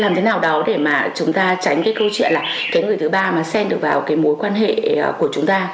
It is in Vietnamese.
làm thế nào đó để mà chúng ta tránh cái câu chuyện là cái người thứ ba mà xem được vào cái mối quan hệ của chúng ta